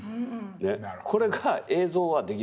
これが映像はできないんですよ。